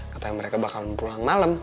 katanya mereka bakalan pulang malam